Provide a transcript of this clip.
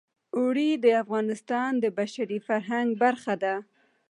اوړي د افغانستان د بشري فرهنګ برخه ده.